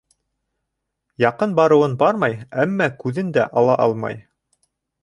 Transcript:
Яҡын барыуын бармай, әммә күҙен дә ала алмай.